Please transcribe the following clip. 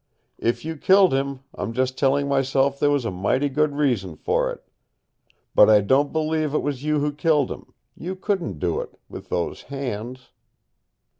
If you killed him, I'm just telling myself there was a mighty good reason for it. But I don't believe it was you who killed him. You couldn't do it with those hands!"